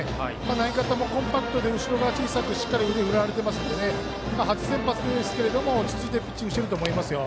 投げ方もコンパクトで後ろ側小さく投げてますので初先発ですけど落ち着いてピッチングしていると思います。